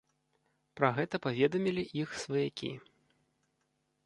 Пра гэта паведамілі іх сваякі.